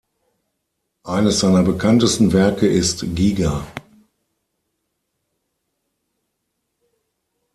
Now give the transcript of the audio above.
Eines seiner bekanntesten Werke ist „Giga“.